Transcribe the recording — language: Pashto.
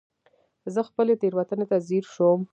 زه خپلې تېروتنې ته ځير شوم.